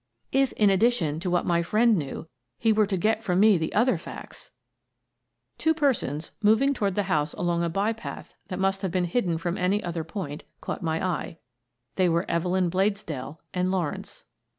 If, in addition to what my friend knew, he were to get from me the other facts —! Two persons moving toward the house along a by path that must have been hidden from any other 108 Miss Frances Baird, Detective point, caught my eye. They were Evelyn Blades dell and Lawrence.